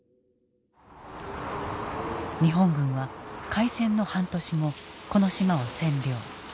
日本軍は開戦の半年後この島を占領。